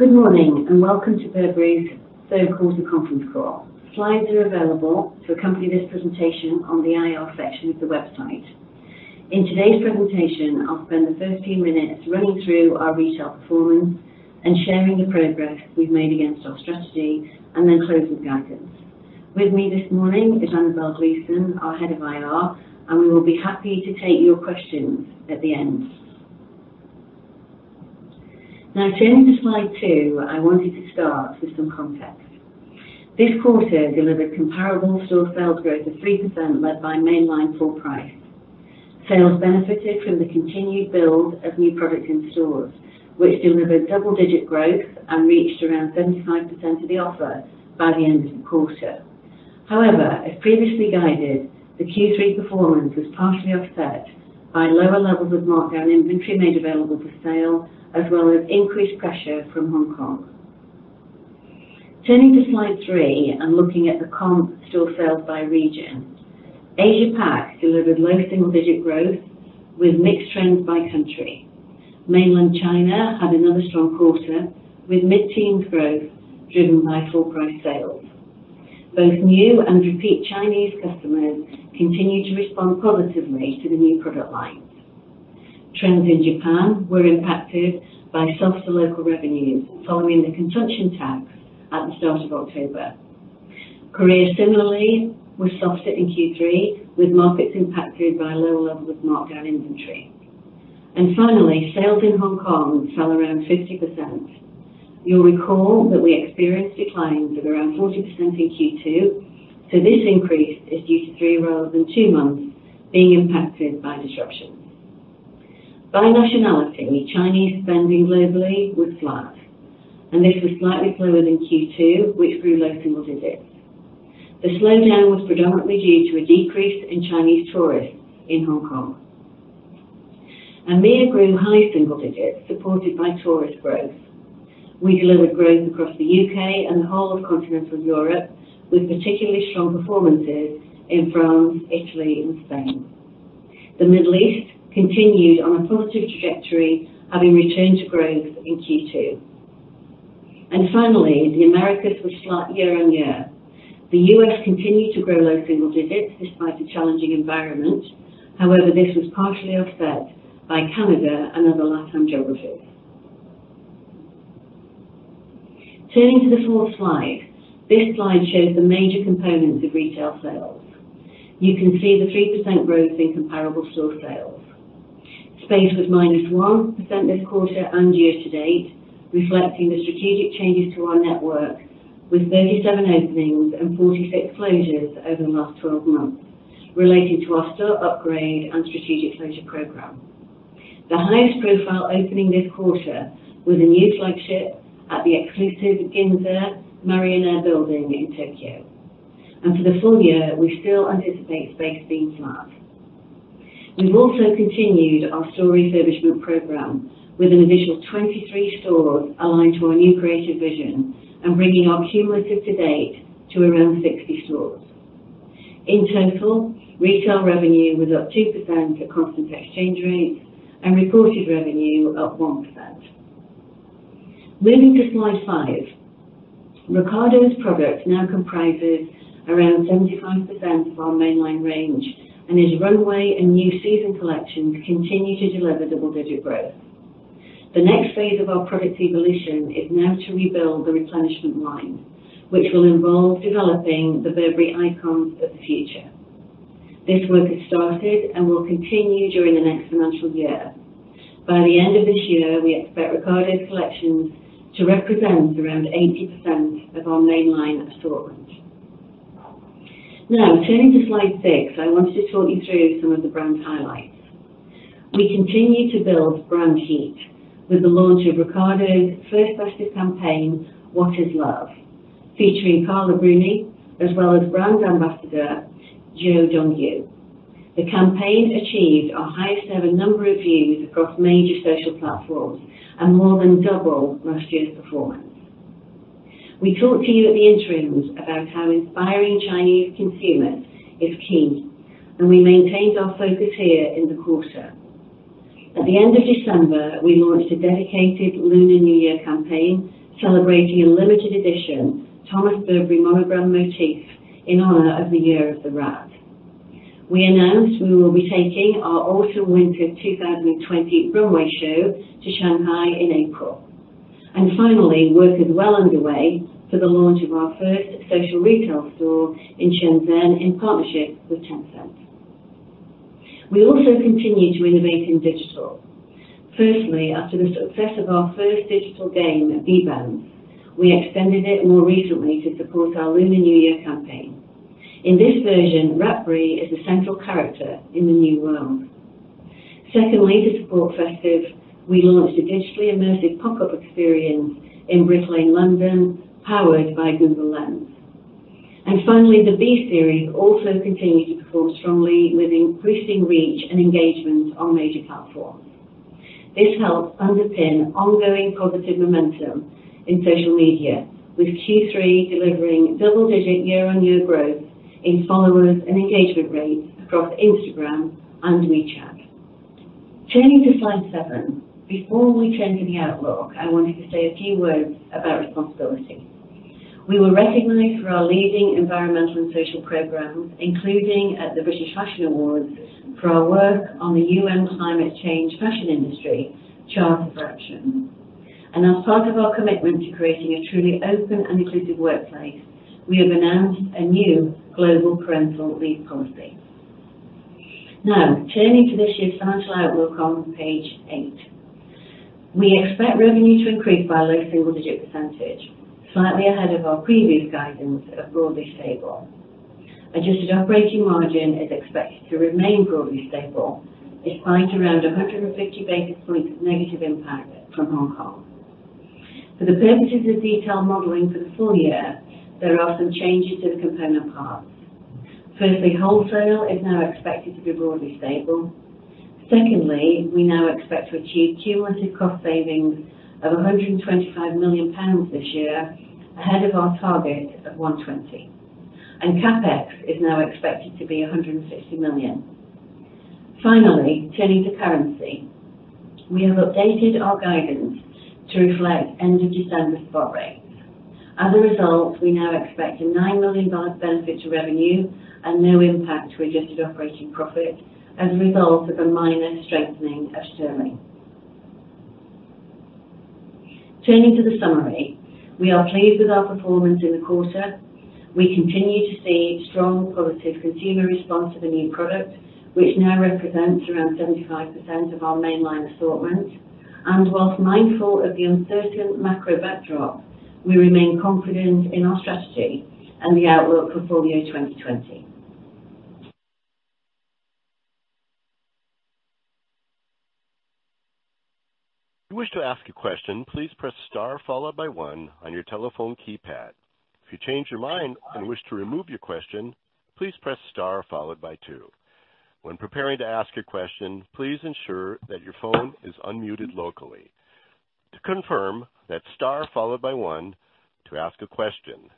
Good morning, welcome to Burberry's third quarter conference call. Slides are available to accompany this presentation on the IR section of the website. In today's presentation, I'll spend the first few minutes running through our retail performance and sharing the progress we've made against our strategy, then close with guidance. With me this morning is Annabel Gleeson, our Head of IR, we will be happy to take your questions at the end. Turning to slide two, I wanted to start with some context. This quarter delivered comparable store sales growth of 3% led by mainline full price. Sales benefited from the continued build of new products in stores, which delivered double-digit growth and reached around 75% of the offer by the end of the quarter. As previously guided, the Q3 performance was partially offset by lower levels of marked down inventory made available for sale, as well as increased pressure from Hong Kong. Turning to slide three and looking at the comp store sales by region. Asia Pac delivered low single-digit growth with mixed trends by country. Mainland China had another strong quarter, with mid-teens growth driven by full price sales. Both new and repeat Chinese customers continued to respond positively to the new product lines. Trends in Japan were impacted by softer local revenues following the consumption tax at the start of October. Korea similarly was softer in Q3 with markets impacted by lower levels of marked down inventory. Finally, sales in Hong Kong fell around 50%. You'll recall that we experienced declines of around 40% in Q2. This increase is due to three rather than two months being impacted by disruptions. By nationality, Chinese spending globally was flat. This was slightly lower than Q2, which grew low single digits. The slowdown was predominantly due to a decrease in Chinese tourists in Hong Kong. EMEA grew high single digits, supported by tourist growth. We delivered growth across the U.K. and the whole of continental Europe, with particularly strong performances in France, Italy and Spain. The Middle East continued on a positive trajectory, having returned to growth in Q2. Finally, the Americas was flat year-over-year. The U.S. continued to grow low single digits despite a challenging environment. However, this was partially offset by Canada and other Latin geographies. Turning to the fourth slide. This slide shows the major components of retail sales. You can see the 3% growth in comparable store sales. Space was minus 1% this quarter and year to date, reflecting the strategic changes to our network with 37 openings and 46 closures over the last 12 months relating to our store upgrade and strategic closure program. The highest profile opening this quarter was a new flagship at the exclusive Ginza Marronnier building in Tokyo. For the full year, we still anticipate space being flat. We've also continued our store refurbishment program with an additional 23 stores aligned to our new creative vision and bringing our cumulative to date to around 60 stores. In total, retail revenue was up 2% at constant exchange rates, and reported revenue up 1%. Moving to slide five. Riccardo's product now comprises around 75% of our mainline range and his runway and new season collections continue to deliver double-digit growth. The next phase of our product evolution is now to rebuild the replenishment line, which will involve developing the Burberry icons of the future. This work has started and will continue during the next financial year. By the end of this year, we expect Riccardo's collections to represent around 80% of our mainline assortment. Turning to slide six, I wanted to talk you through some of the brand highlights. We continue to build brand heat with the launch of Riccardo's first festive campaign, What Is Love? Featuring Carla Bruni as well as brand ambassador Zhou Dongyu. The campaign achieved our highest-ever number of views across major social platforms and more than double last year's performance. We talked to you at the interims about how inspiring Chinese consumers is key. We maintained our focus here in the quarter. At the end of December, we launched a dedicated Lunar New Year campaign celebrating a limited edition Thomas Burberry Monogram motif in honor of the Year of the Rat. We announced we will be taking our autumn/winter 2020 runway show to Shanghai in April. Finally, work is well underway for the launch of our first social retail store in Shenzhen in partnership with Tencent. We also continue to innovate in digital. Firstly, after the success of our first digital game, B Bounce, we extended it more recently to support our Lunar New Year campaign. In this version, Ratberry is the central character in the new world. Secondly, to support festive, we launched a digitally immersive pop-up experience in Brick Lane, London, powered by Google Lens. Finally, the B Series also continued to perform strongly with increasing reach and engagement on major platforms. This helps underpin ongoing positive momentum. In social media, with Q3 delivering double-digit year-on-year growth in followers and engagement rates across Instagram and WeChat. Turning to slide seven. Before we turn to the outlook, I wanted to say a few words about responsibility. We were recognized for our leading environmental and social programs, including at the British Fashion Awards, for our work on the Fashion Industry Charter for Climate Action. As part of our commitment to creating a truly open and inclusive workplace, we have announced a new global parental leave policy. Turning to this year's financial outlook on page eight. We expect revenue to increase by a low single-digit percentage, slightly ahead of our previous guidance of broadly stable. adjusted operating margin is expected to remain broadly stable, despite around 150 basis points of negative impact from Hong Kong. For the purposes of detailed modeling for the full year, there are some changes to the component parts. Firstly, wholesale is now expected to be broadly stable. Secondly, we now expect to achieve cumulative cost savings of 125 million pounds this year, ahead of our target of 120. CapEx is now expected to be 150 million. Finally, turning to currency. We have updated our guidance to reflect end of December spot rates. As a result, we now expect a $9 million benefit to revenue and no impact to adjusted operating profit as a result of a minor strengthening of sterling. Turning to the summary, we are pleased with our performance in the quarter. We continue to see strong positive consumer response to the new product, which now represents around 75% of our mainline assortment. Whilst mindful of the uncertain macro backdrop, we remain confident in our strategy and the outlook for full-year 2020. If you wish to ask a question, please press star followed by one on your telephone keypad. If you change your mind and wish to remove your question, please press star followed by two. When preparing to ask a question, please ensure that your phone is unmuted locally. To confirm, that's star followed by one to ask a question.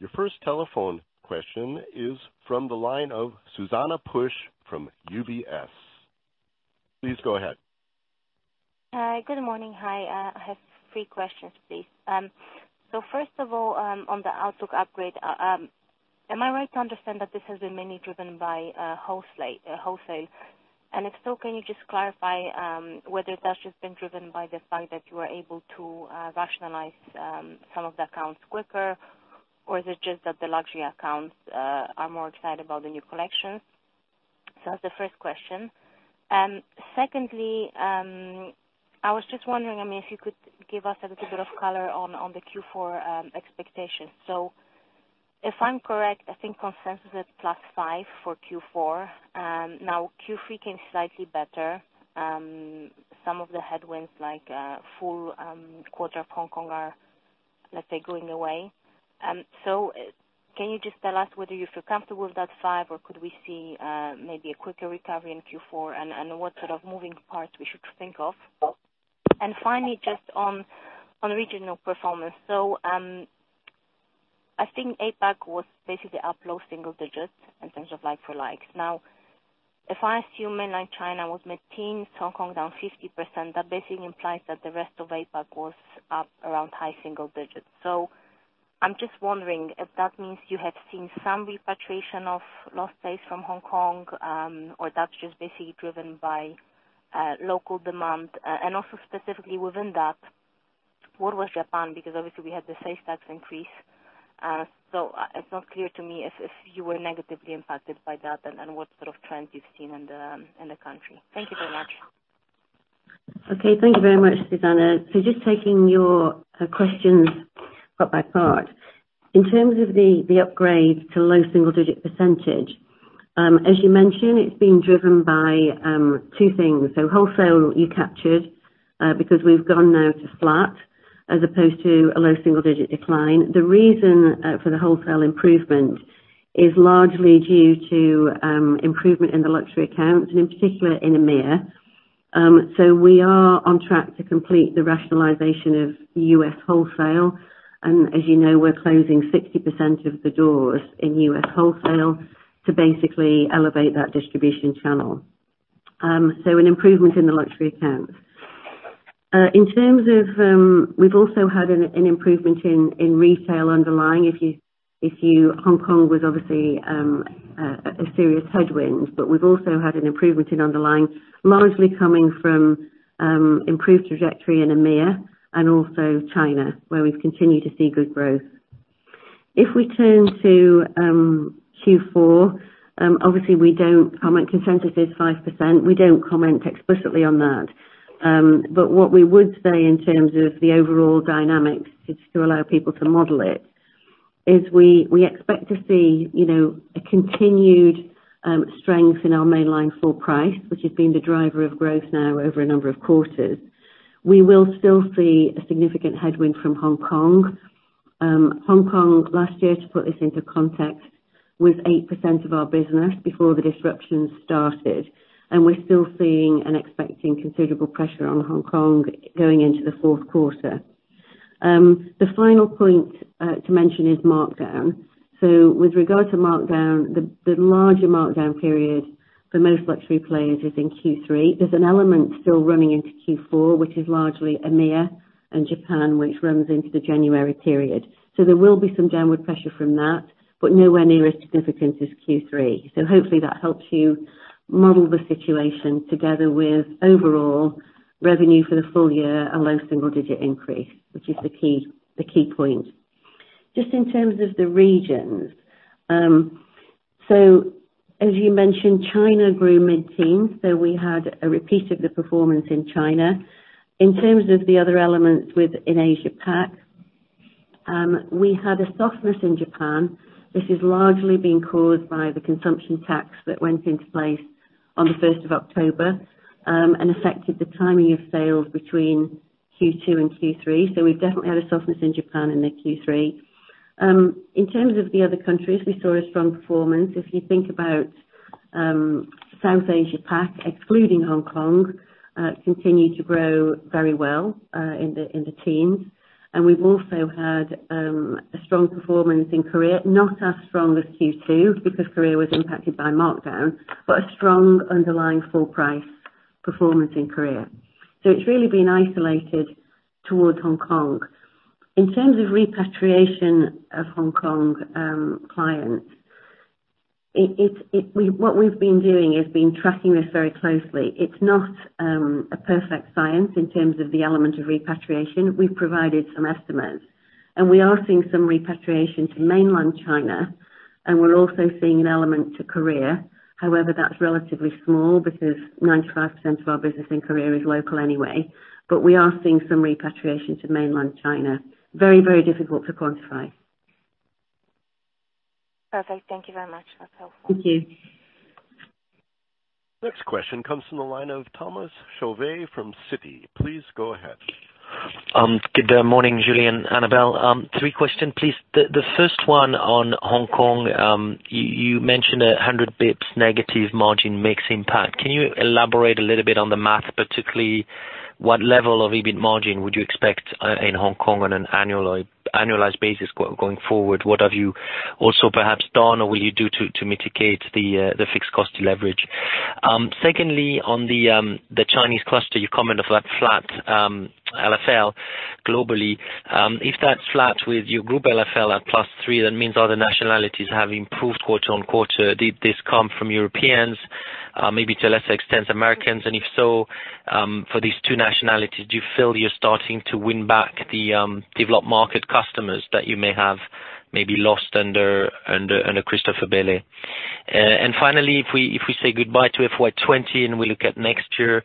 Your first telephone question is from the line of Zuzanna Pusz from UBS. Please go ahead. Hi. Good morning. Hi. I have three questions, please. First of all, on the outlook upgrade, am I right to understand that this has been mainly driven by wholesale? If so, can you just clarify whether that's just been driven by the fact that you were able to rationalize some of the accounts quicker, or is it just that the luxury accounts are more excited about the new collection? That's the first question. Secondly, I was just wondering if you could give us a little bit of color on the Q4 expectations. If I'm correct, I think consensus is plus five for Q4. Now, Q3 came slightly better. Some of the headwinds, like full quarter of Hong Kong are, let's say, going away. Can you just tell us whether you feel comfortable with that five or could we see maybe a quicker recovery in Q4, and what sort of moving parts we should think of? Finally, just on regional performance. I think APAC was basically up low single digits in terms of like for likes. Now, if I assume mainline China was mid-teens, Hong Kong down 50%, that basically implies that the rest of APAC was up around high single digits. I'm just wondering if that means you have seen some repatriation of lost base from Hong Kong, or that's just basically driven by local demand. Also specifically within that, what was Japan? Because obviously we had the consumption tax increase. It's not clear to me if you were negatively impacted by that and what sort of trends you've seen in the country. Thank you very much. Okay. Thank you very much, Zuzanna. Just taking your questions part by part. In terms of the upgrade to low single digit percentage, as you mentioned, it is being driven by two things. Wholesale you captured because we have gone now to flat as opposed to a low single digit decline. The reason for the wholesale improvement is largely due to improvement in the luxury accounts and in particular in EMEIA. We are on track to complete the rationalization of U.S. wholesale. As you know, we are closing 60% of the doors in U.S. wholesale to basically elevate that distribution channel. An improvement in the luxury accounts. We have also had an improvement in retail underlying. Hong Kong was obviously a serious headwind, but we've also had an improvement in underlying, largely coming from improved trajectory in EMEIA and also China, where we've continued to see good growth. If we turn to Q4, obviously we don't comment. Consensus is 5%. We don't comment explicitly on that. What we would say in terms of the overall dynamics is to allow people to model it, is we expect to see a continued strength in our mainline full price, which has been the driver of growth now over a number of quarters. We will still see a significant headwind from Hong Kong. Hong Kong last year, to put this into context, was 8% of our business before the disruption started, and we're still seeing and expecting considerable pressure on Hong Kong going into the fourth quarter. The final point to mention is markdown. With regard to markdown, the larger markdown period for most luxury players is in Q3. There's an element still running into Q4, which is largely EMEA and Japan, which runs into the January period. There will be some downward pressure from that, but nowhere near as significant as Q3. Hopefully that helps you model the situation together with overall revenue for the full year, a low single-digit increase, which is the key point. Just in terms of the regions. As you mentioned, China grew mid-teens, we had a repeat of the performance in China. In terms of the other elements within Asia Pac, we had a softness in Japan. This is largely being caused by the consumption tax that went into place on the 1st of October and affected the timing of sales between Q2 and Q3. We've definitely had a softness in Japan in the Q3. In terms of the other countries, we saw a strong performance. If you think about South Asia Pac, excluding Hong Kong, continue to grow very well in the teens. We've also had a strong performance in Korea, not as strong as Q2 because Korea was impacted by markdown, but a strong underlying full price performance in Korea. It's really been isolated towards Hong Kong. In terms of repatriation of Hong Kong clients, what we've been doing is been tracking this very closely. It's not a perfect science in terms of the element of repatriation. We've provided some estimates. We are seeing some repatriation to mainland China, and we're also seeing an element to Korea. However, that's relatively small because 95% of our business in Korea is local anyway. We are seeing some repatriation to mainland China. Very difficult to quantify. Perfect. Thank you very much. That's helpful. Thank you. Next question comes from the line of Thomas Chauvet from Citi. Please go ahead. Good morning, Julie and Annabel Gleeson. Three question, please. The first one on Hong Kong, you mentioned 100 basis points negative margin mix impact. Can you elaborate a little bit on the math, particularly what level of EBIT margin would you expect in Hong Kong on an annualized basis going forward? What have you also perhaps done or will you do to mitigate the fixed cost leverage? Secondly, on the Chinese cluster, you comment of that flat LFL globally. If that's flat with your group LFL at +3, that means other nationalities have improved quarter-on-quarter. Did this come from Europeans, maybe to a lesser extent, Americans? If so, for these two nationalities, do you feel you're starting to win back the developed market customers that you may have maybe lost under Christopher Bailey? Finally, if we say goodbye to FY 2020 and we look at next year,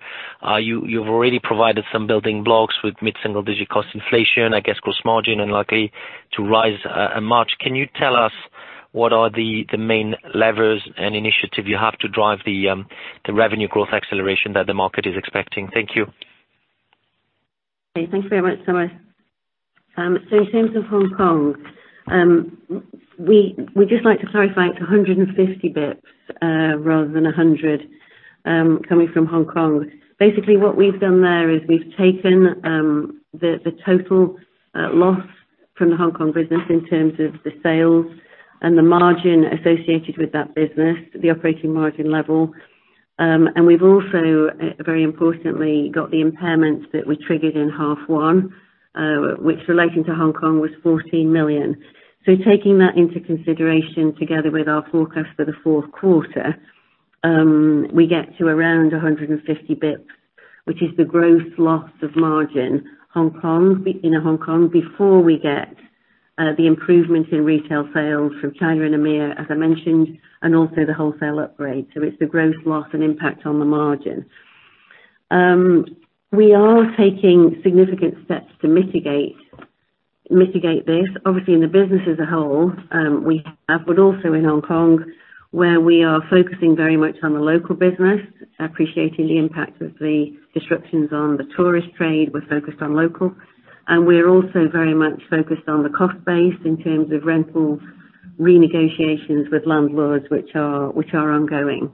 you've already provided some building blocks with mid-single digit cost inflation, I guess gross margin unlikely to rise much. Can you tell us what are the main levers and initiative you have to drive the revenue growth acceleration that the market is expecting? Thank you. Thanks very much, Thomas. In terms of Hong Kong, we just like to clarify it's 150 basis points, rather than 100 basis points, coming from Hong Kong. What we've done there is we've taken the total loss from the Hong Kong business in terms of the sales and the margin associated with that business, the operating margin level. We've also, very importantly, got the impairments that were triggered in half one, which relating to Hong Kong was 14 million. Taking that into consideration together with our forecast for the fourth quarter, we get to around 150 basis points, which is the gross loss of margin in Hong Kong before we get the improvement in retail sales from China and EMEA, as I mentioned, and also the wholesale upgrade. It's the gross loss and impact on the margin. We are taking significant steps to mitigate this. Obviously, in the business as a whole we have, but also in Hong Kong, where we are focusing very much on the local business, appreciating the impact of the disruptions on the tourist trade. We're focused on local. We're also very much focused on the cost base in terms of rental renegotiations with landlords, which are ongoing.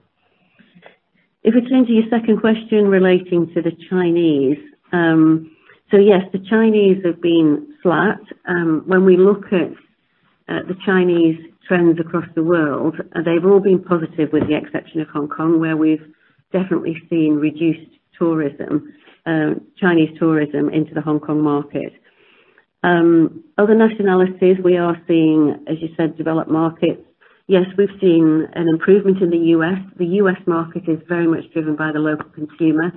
If we turn to your second question relating to the Chinese. Yes, the Chinese have been flat. When we look at the Chinese trends across the world, they've all been positive with the exception of Hong Kong, where we've definitely seen reduced Chinese tourism into the Hong Kong market. Other nationalities, we are seeing, as you said, developed markets. Yes, we've seen an improvement in the U.S. The U.S. market is very much driven by the local consumer,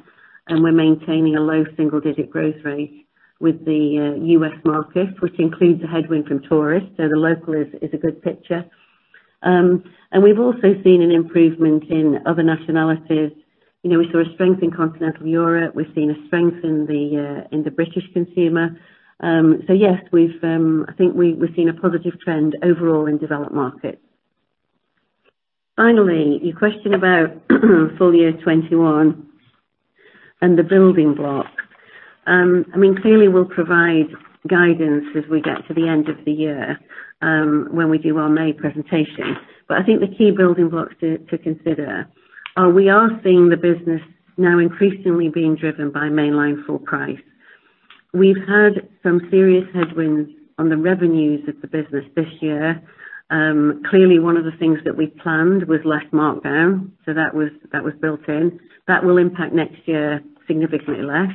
and we're maintaining a low single-digit growth rate with the U.S. market, which includes a headwind from tourists. The local is a good picture. We've also seen an improvement in other nationalities. We saw a strength in continental Europe. We've seen a strength in the British consumer. Yes, I think we've seen a positive trend overall in developed markets. Finally, your question about FY 2021 and the building block. Clearly, we'll provide guidance as we get to the end of the year when we do our May presentation. I think the key building blocks to consider are, we are seeing the business now increasingly being driven by mainline full price. We've had some serious headwinds on the revenues of the business this year. Clearly, one of the things that we planned was less markdown. That was built in. That will impact next year significantly less.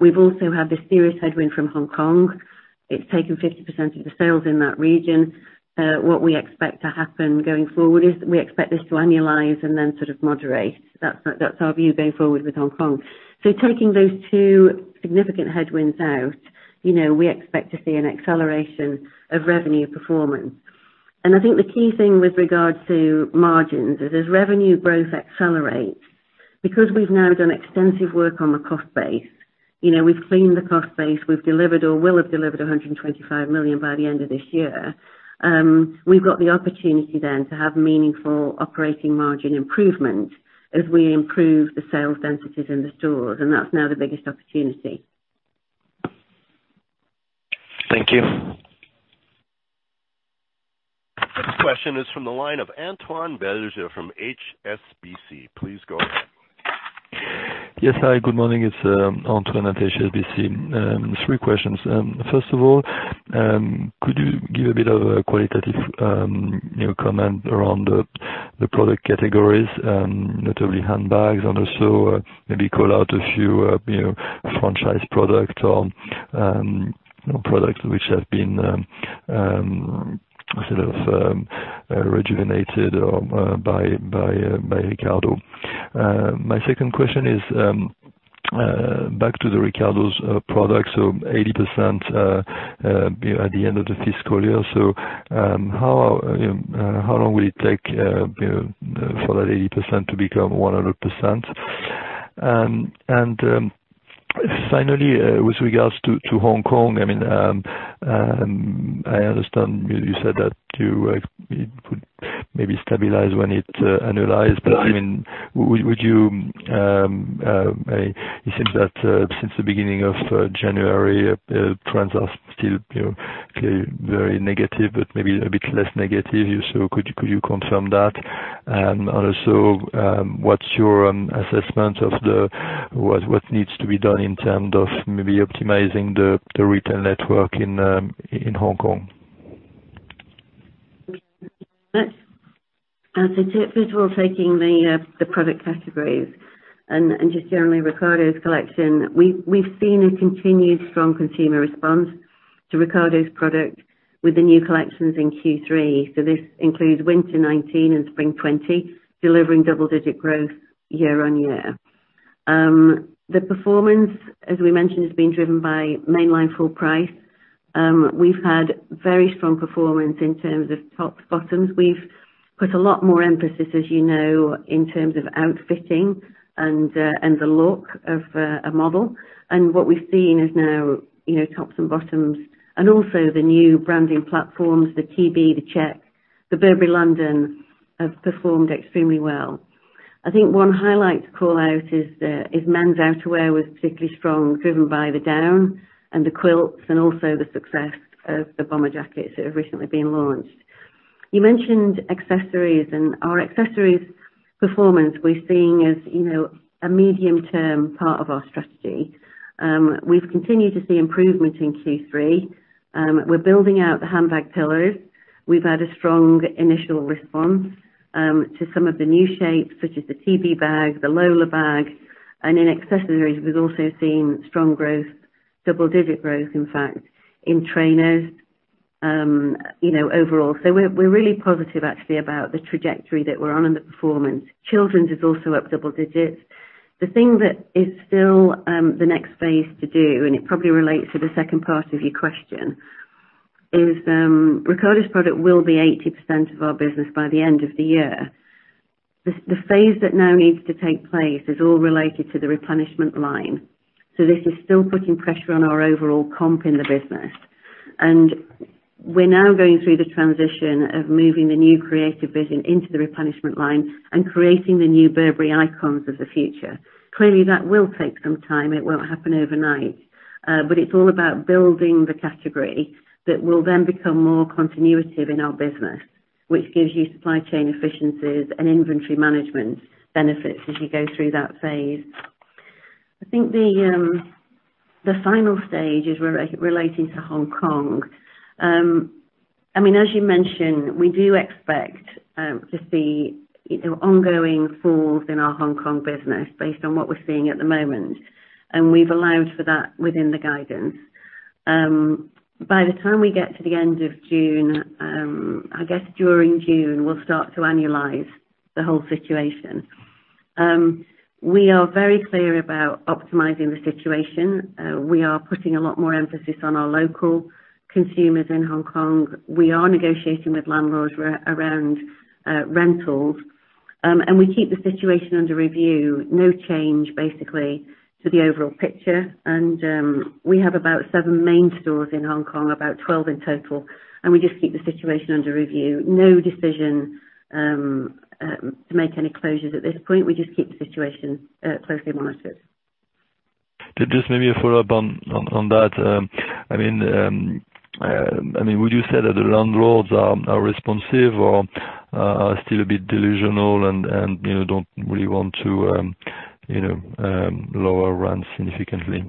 We've also had this serious headwind from Hong Kong. It's taken 50% of the sales in that region. What we expect to happen going forward is we expect this to annualize and then sort of moderate. That's our view going forward with Hong Kong. Taking those two significant headwinds out, we expect to see an acceleration of revenue performance. I think the key thing with regards to margins is, as revenue growth accelerates, because we've now done extensive work on the cost base. We've cleaned the cost base. We've delivered or will have delivered 125 million by the end of this year. We've got the opportunity then to have meaningful operating margin improvement as we improve the sales densities in the stores, and that's now the biggest opportunity. Thank you. Next question is from the line of Antoine Belge from HSBC. Please go ahead. Yes, hi, good morning. It's Antoine at HSBC. Three questions. First of all, could you give a bit of a qualitative comment around the product categories, notably handbags, and also maybe call out a few franchise product or products which have been sort of rejuvenated by Riccardo? My second question is back to the Riccardo's product. 80% at the end of the fiscal year. How long will it take for that 80% to become 100%? Finally, with regards to Hong Kong, I understand you said that it would maybe stabilize when it annualize. It seems that since the beginning of January, trends are still very negative, but maybe a bit less negative. Could you confirm that? Also, what's your assessment of what needs to be done in terms of maybe optimizing the retail network in Hong Kong? Taking the product categories and Riccardo's collection. We've seen a continued strong consumer response to Riccardo's product with the new collections in Q3. This includes winter 2019 and spring 2020, delivering double-digit growth year-on-year. The performance, as we mentioned, has been driven by mainline full price. We've had very strong performance in terms of tops, bottoms. We've put a lot more emphasis, as you know, in terms of outfitting and the look of a model. What we've seen is now tops and bottoms and also the new branding platforms, the TB, the check, the Burberry London, have performed extremely well. I think one highlight to call out is men's outerwear was particularly strong, driven by the down and the quilts and also the success of the bomber jackets that have recently been launched. You mentioned accessories, and our accessories performance we're seeing as a medium-term part of our strategy. We've continued to see improvement in Q3. We're building out the handbag pillars. We've had a strong initial response to some of the new shapes, such as the TB Bag, the Lola bag. In accessories, we've also seen strong growth, double-digit growth, in fact, in trainers overall. We're really positive actually about the trajectory that we're on and the performance. Children's is also up double digits. The thing that is still the next phase to do, and it probably relates to the second part of your question, is Riccardo's product will be 80% of our business by the end of the year. The phase that now needs to take place is all related to the replenishment line. This is still putting pressure on our overall comp in the business. We're now going through the transition of moving the new creative vision into the replenishment line and creating the new Burberry icons of the future. Clearly, that will take some time. It won't happen overnight. It's all about building the category that will then become more continuative in our business, which gives you supply chain efficiencies and inventory management benefits as you go through that phase. I think the final stage is relating to Hong Kong. As you mentioned, we do expect to see ongoing falls in our Hong Kong business based on what we're seeing at the moment, and we've allowed for that within the guidance. By the time we get to the end of June, I guess during June, we'll start to annualize the whole situation. We are very clear about optimizing the situation. We are putting a lot more emphasis on our local consumers in Hong Kong. We are negotiating with landlords around rentals. We keep the situation under review. No change, basically to the overall picture. We have about seven main stores in Hong Kong, about 12 in total. We just keep the situation under review. No decision to make any closures at this point. We just keep the situation closely monitored. Just maybe a follow-up on that. Would you say that the landlords are responsive or are still a bit delusional and don't really want to lower rents significantly?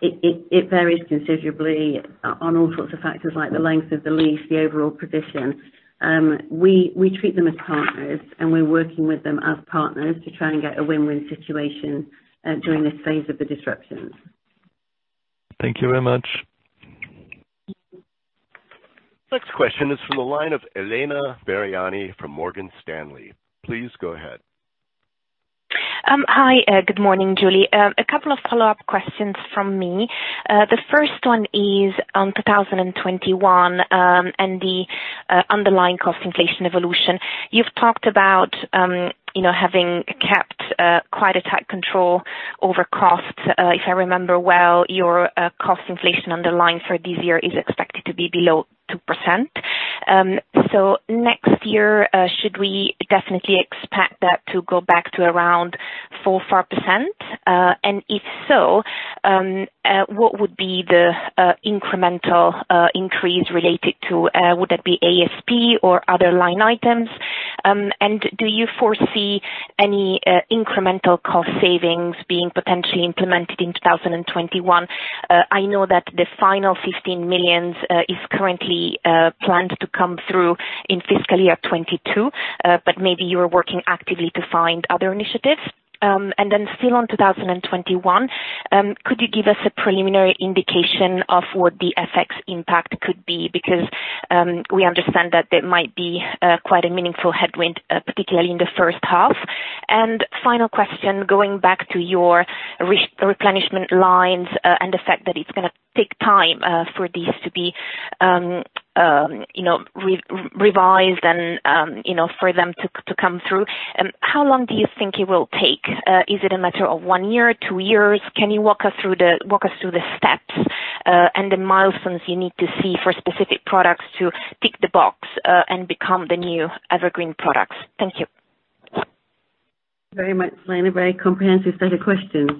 It varies considerably on all sorts of factors, like the length of the lease, the overall position. We treat them as partners, and we're working with them as partners to try and get a win-win situation during this phase of the disruptions. Thank you very much. Next question is from the line of Elena Mariani from Morgan Stanley. Please go ahead. Hi. Good morning, Julie. A couple of follow-up questions from me. The first one is on 2021, and the underlying cost inflation evolution. You've talked about having kept quite a tight control over costs. If I remember well, your cost inflation underlying for this year is expected to be below 2%. Next year, should we definitely expect that to go back to around 4%, 5%? If so, what would be the incremental increase related to ASP or other line items? Do you foresee any incremental cost savings being potentially implemented in 2021? I know that the final 15 million is currently planned to come through in FY 2022, but maybe you are working actively to find other initiatives. Still on 2021, could you give us a preliminary indication of what the FX impact could be? We understand that there might be quite a meaningful headwind, particularly in the first half. Final question, going back to your replenishment lines, and the fact that it's going to take time for these to be revised and for them to come through. How long do you think it will take? Is it a matter of one year, two years? Can you walk us through the steps and the milestones you need to see for specific products to tick the box and become the new evergreen products? Thank you. Very much, Elena. Very comprehensive set of questions.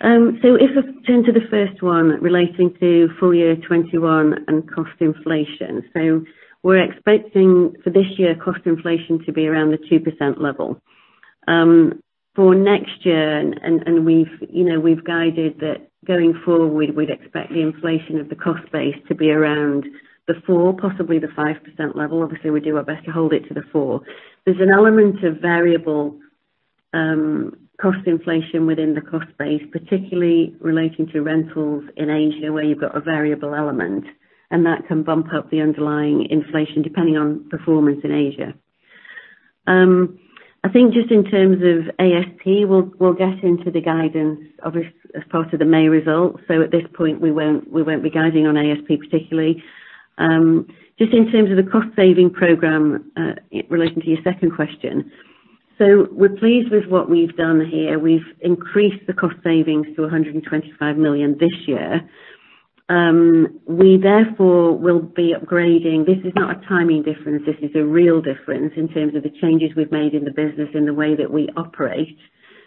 If I turn to the first one relating to FY 2021 and cost inflation. We're expecting for this year cost inflation to be around the 2% level. For next year, and we've guided that going forward, we'd expect the inflation of the cost base to be around the 4%, possibly the 5% level. Obviously, we do our best to hold it to the 4%. There's an element of variable cost inflation within the cost base, particularly relating to rentals in Asia, where you've got a variable element, and that can bump up the underlying inflation depending on performance in Asia. I think just in terms of ASP, we'll get into the guidance obviously as part of the May results. At this point, we won't be guiding on ASP particularly. Just in terms of the cost-saving program relating to your second question. We're pleased with what we've done here. We've increased the cost savings to 125 million this year. We therefore will be upgrading. This is not a timing difference. This is a real difference in terms of the changes we've made in the business in the way that we operate,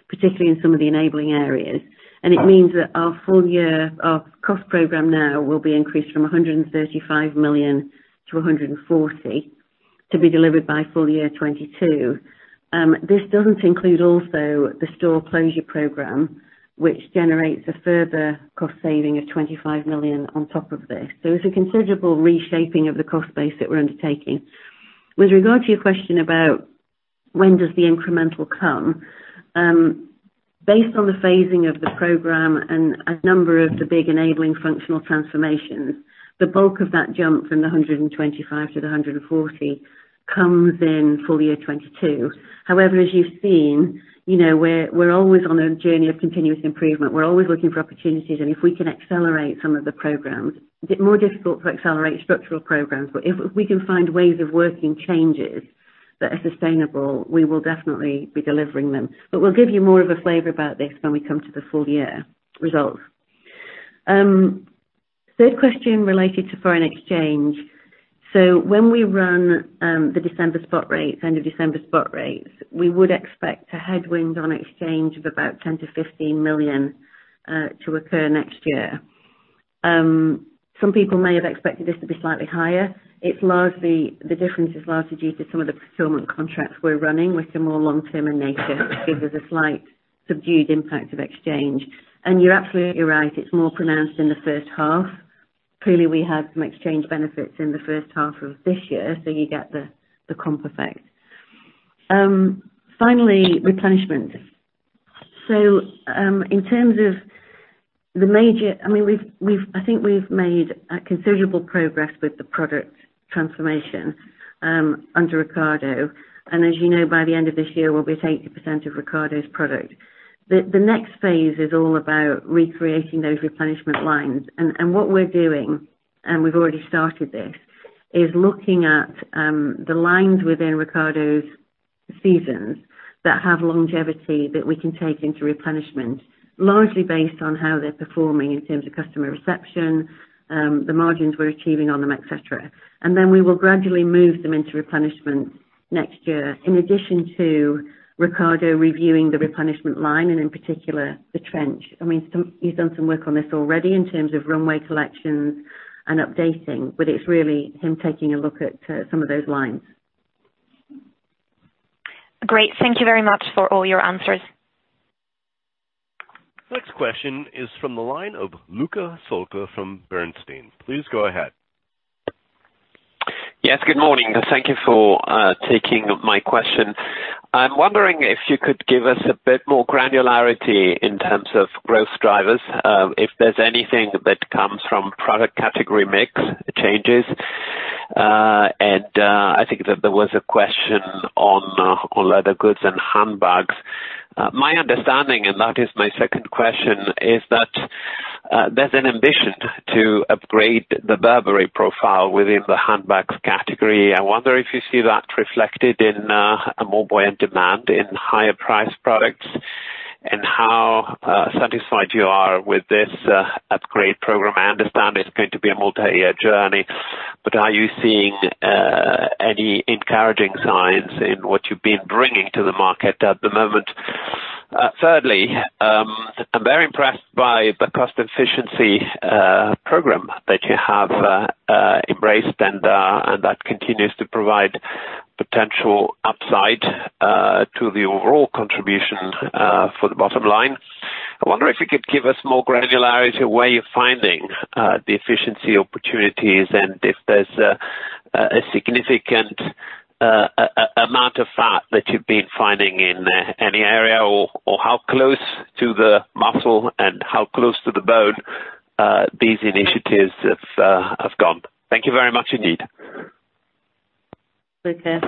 particularly in some of the enabling areas. It means that our full year, our cost program now will be increased from 135 million-140 million to be delivered by full year 2022. This doesn't include also the store closure program, which generates a further cost saving of 25 million on top of this. It's a considerable reshaping of the cost base that we're undertaking. With regard to your question about when does the incremental come. Based on the phasing of the program and a number of the big enabling functional transformations, the bulk of that jump from 125-140 comes in FY 2022. As you've seen, we're always on a journey of continuous improvement. We're always looking for opportunities, and if we can accelerate some of the programs. A bit more difficult to accelerate structural programs, but if we can find ways of working changes that are sustainable, we will definitely be delivering them. We'll give you more of a flavor about this when we come to the full year results. Third question related to foreign exchange. When we run the December spot rates, end of December spot rates, we would expect a headwind on exchange of about 10 million-15 million to occur next year. Some people may have expected this to be slightly higher. The difference is largely due to some of the procurement contracts we're running with a more long-term nature, which gives us a slight subdued impact of exchange. You're absolutely right, it's more pronounced in the first half. Clearly, we had some exchange benefits in the first half of this year, so you get the comp effect. Finally, replenishment. In terms of the major, I think we've made a considerable progress with the product transformation under Riccardo. As you know, by the end of this year, we'll be at 80% of Riccardo's product. The next phase is all about recreating those replenishment lines. What we're doing, and we've already started this, is looking at the lines within Riccardo's seasons that have longevity that we can take into replenishment, largely based on how they're performing in terms of customer reception, the margins we're achieving on them, et cetera. We will gradually move them into replenishment next year. In addition to Riccardo reviewing the replenishment line, and in particular, the trench, he's done some work on this already in terms of runway collections and updating, but it's really him taking a look at some of those lines. Great. Thank you very much for all your answers. Next question is from the line of Luca Solca from Bernstein. Please go ahead. Yes, good morning. Thank you for taking my question. I'm wondering if you could give us a bit more granularity in terms of growth drivers, if there's anything that comes from product category mix changes. I think that there was a question on leather goods and handbags. My understanding, that is my second question, is that there's an ambition to upgrade the Burberry profile within the handbags category. I wonder if you see that reflected in a more buoyant demand in higher priced products, and how satisfied you are with this upgrade program. I understand it's going to be a multi-year journey, are you seeing any encouraging signs in what you've been bringing to the market at the moment? Thirdly, I'm very impressed by the cost efficiency program that you have embraced, that continues to provide potential upside to the overall contribution for the bottom line. I wonder if you could give us more granularity where you're finding the efficiency opportunities and if there's a significant amount of fat that you've been finding in any area, or how close to the muscle and how close to the bone these initiatives have gone. Thank you very much indeed. Okay.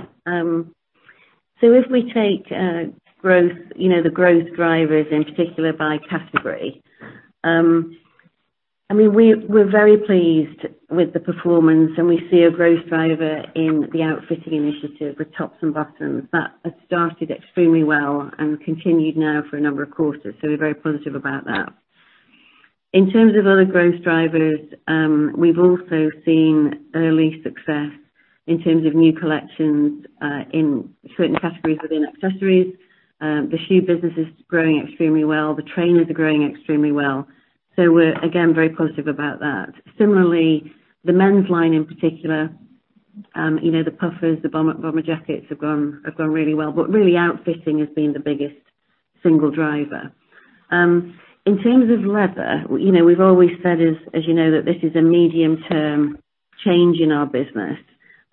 If we take the growth drivers in particular by category. We're very pleased with the performance, and we see a growth driver in the outfitting initiative with tops and bottoms. That has started extremely well and continued now for a number of quarters. We're very positive about that. In terms of other growth drivers, we've also seen early success in terms of new collections in certain categories within accessories. The shoe business is growing extremely well. The trainers are growing extremely well. We're, again, very positive about that. Similarly, the men's line in particular, the puffers, the bomber jackets have gone really well. Really outfitting has been the biggest single driver. In terms of leather. We've always said, as you know, that this is a medium-term change in our business.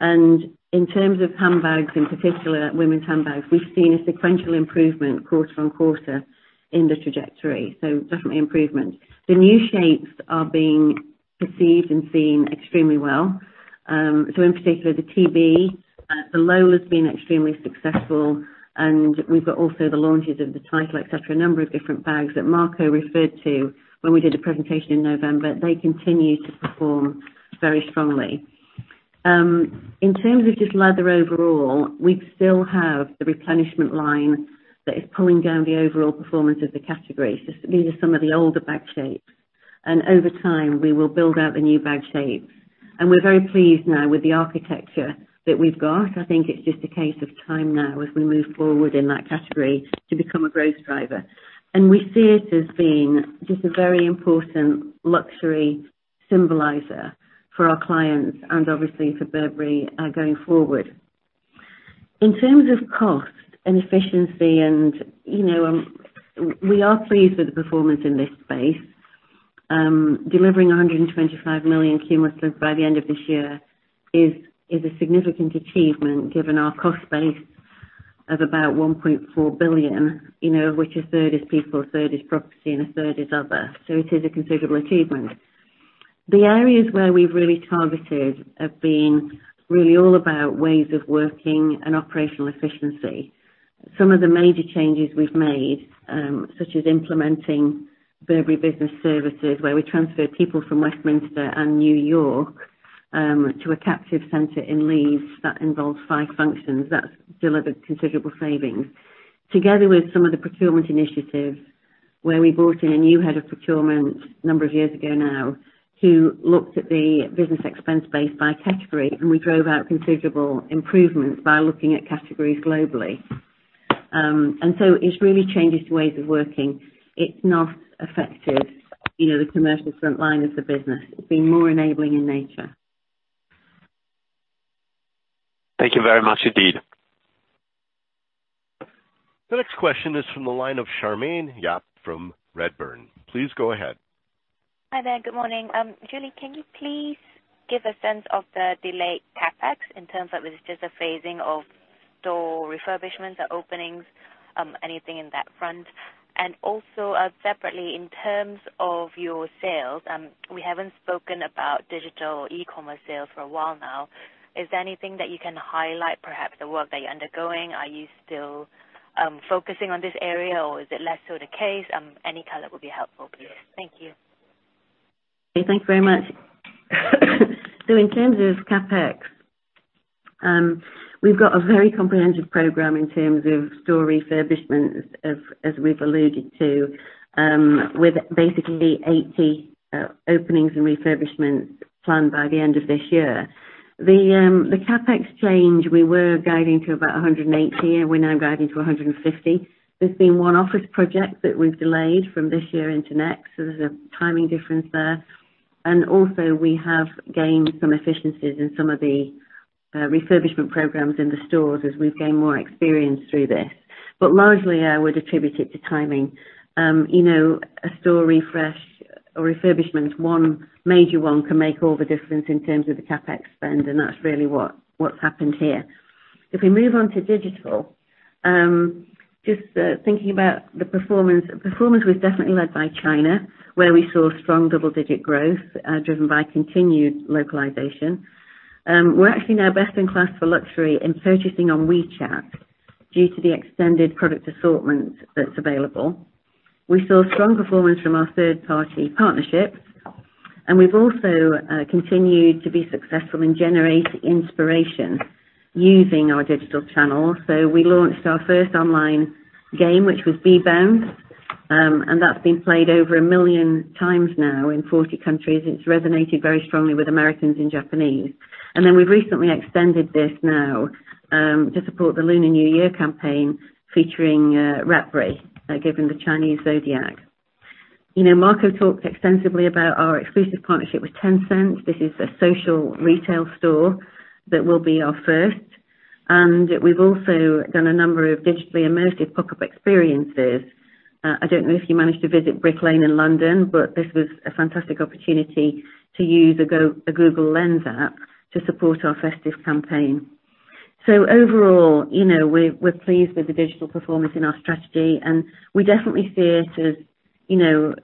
In terms of handbags, in particular women's handbags, we've seen a sequential improvement quarter-on-quarter in the trajectory. Definitely improvement. The new shapes are being perceived and seen extremely well. In particular, the TB, the Lola's been extremely successful, and we've got also the launches of the Title, et cetera, a number of different bags that Marco referred to when we did a presentation in November. They continue to perform very strongly. In terms of just leather overall, we still have the replenishment line that is pulling down the overall performance of the category. These are some of the older bag shapes. Over time, we will build out the new bag shapes. We're very pleased now with the architecture that we've got. I think it's just a case of time now as we move forward in that category to become a growth driver. We see it as being just a very important luxury symbolizer for our clients and obviously for Burberry going forward. In terms of cost and efficiency, we are pleased with the performance in this space. Delivering 125 million cumulatively by the end of this year is a significant achievement given our cost base of about 1.4 billion, which a third is people, a third is property, and a third is other. It is a considerable achievement. The areas where we've really targeted have been really all about ways of working and operational efficiency. Some of the major changes we've made, such as implementing Burberry Business Services, where we transferred people from Westminster and New York to a captive center in Leeds that involves five functions. That's delivered considerable savings. Together with some of the procurement initiatives, where we brought in a new head of procurement a number of years ago now, who looked at the business expense base by category, and we drove out considerable improvements by looking at categories globally. It's really changed ways of working. It's not affected the commercial front line of the business. It's been more enabling in nature. Thank you very much indeed. The next question is from the line of Charmaine Yap from Redburn. Please go ahead. Hi there. Good morning. Julie, can you please give a sense of the delayed CapEx in terms of if it's just a phasing of store refurbishments or openings, anything in that front? Separately, in terms of your sales, we haven't spoken about digital or e-commerce sales for a while now. Is there anything that you can highlight, perhaps the work that you're undergoing? Are you still focusing on this area, or is it less so the case? Any color would be helpful, please. Thank you. Okay, Thank you very much. In terms of CapEx, we've got a very comprehensive program in terms of store refurbishments as we've alluded to with basically 80 openings and refurbishments planned by the end of this year. The CapEx change we were guiding to about 180, and we're now guiding to 150. There's been one office project that we've delayed from this year into next. There's a timing difference there. Also, we have gained some efficiencies in some of the refurbishment programs in the stores as we've gained more experience through this. Largely, I would attribute it to timing. A store refresh or refurbishment, one major one can make all the difference in terms of the CapEx spend, and that's really what's happened here. If we move on to digital, just thinking about the performance. Performance was definitely led by China, where we saw strong double-digit growth, driven by continued localization. We're actually now best in class for luxury and purchasing on WeChat due to the extended product assortment that's available. We saw strong performance from our third-party partnerships, and we've also continued to be successful in generating inspiration using our digital channel. We launched our first online game, which was B Bounce. That's been played over 1 million times now in 40 countries. It's resonated very strongly with Americans and Japanese. We've recently extended this now to support the Lunar New Year campaign featuring Ratberry, given the Chinese zodiac. Marco talked extensively about our exclusive partnership with Tencent. This is a social retail store that will be our first. We've also done a number of digitally immersive pop-up experiences. I don't know if you managed to visit Brick Lane in London, but this was a fantastic opportunity to use a Google Lens app to support our festive campaign. Overall, we're pleased with the digital performance in our strategy, and we definitely see it as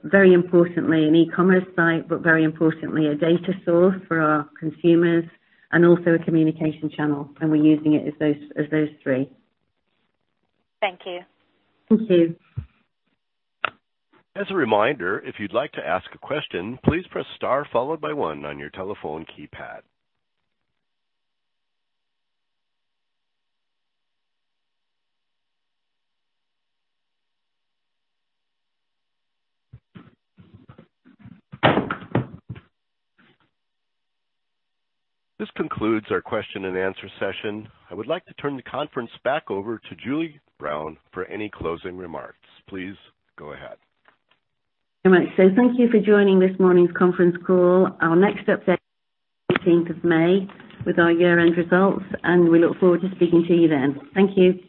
very importantly an e-commerce site, but very importantly a data source for our consumers and also a communication channel, and we're using it as those three. Thank you. Thank you. As a reminder, if you'd like to ask a question, please press star followed by one on your telephone keypad. This concludes our question-and-answer session. I would like to turn the conference back over to Julie Brown for any closing remarks. Please go ahead. All right. Thank you for joining this morning's conference call. Our next update, 18th of May with our year-end results, and we look forward to speaking to you then. Thank you.